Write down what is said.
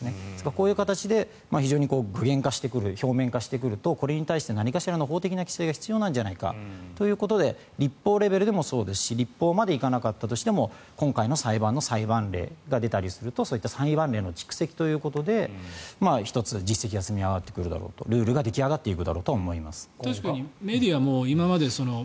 こういう形で非常に具現化してくる表面化してくるとこれによって何かしらの法的規制が必要なんじゃないかということで立法レベルでもそうですし立法まで行かなかったとしても今回の裁判の裁判例が出たりするとそういった裁判例の蓄積ということで１つ実績が積み上がっていくだろうと思います。